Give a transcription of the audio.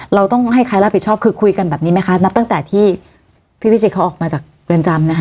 เราต้องให้ใครรับผิดชอบคือคุยกันแบบนี้ไหมคะนับตั้งแต่ที่พี่พิสิทธเขาออกมาจากเรือนจำนะคะ